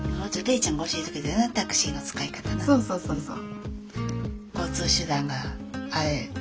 そうそうそうそう。